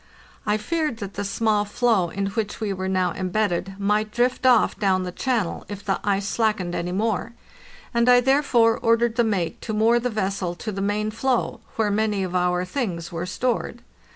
I feared that the small floe in which we were now embedded might drift off down the channel if the ice slackened any more, and I therefore ordered the mate to moor the vessel to the main flow, where many of our things were stored.